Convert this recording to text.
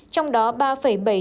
trong đó ba bảy triệu đô la mỹ